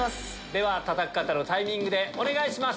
たたく方のタイミングでお願いします。